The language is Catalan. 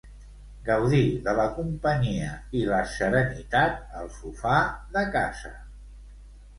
Gaudir de la companyia i la serenitat al sofà de casa.